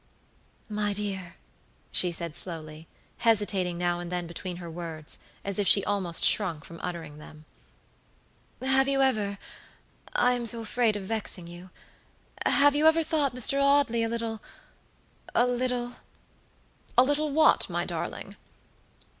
"My dear," she said, slowly, hesitating now and then between her words, as if she almost shrunk from uttering them, "have you everI am so afraid of vexing youhave you ever thought Mr. Audley a littlea little" "A little what, my darling?"